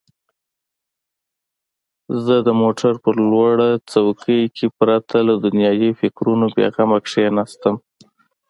زه د موټر په لوړ څوکۍ کې پرته له دنیايي فکرونو بېغمه کښېناستم.